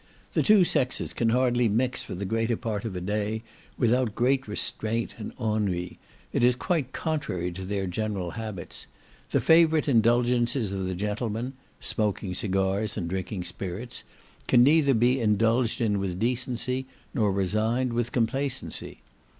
The two sexes can hardly mix for the greater part of a day without great restraint and ennui; it is quite contrary to their general habits; the favourite indulgences of the gentlemen (smoking cigars and drinking spirits), can neither be indulged in with decency, nor resigned with complacency.